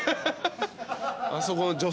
あそこの。